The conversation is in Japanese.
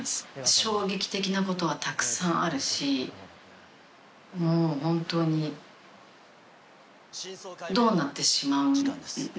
衝撃的なことがたくさんあるしもうホントにどうなってしまうのか。